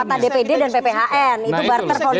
jadi penguatan dpd dan pphn itu barter konsepnya